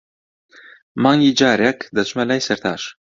مانگی جارێک، دەچمە لای سەرتاش.